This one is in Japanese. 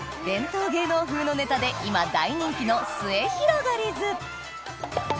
伝統芸能風のネタで今大人気の「すゑひろがりず」